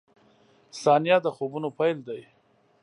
• ثانیه د خوبونو پیل دی.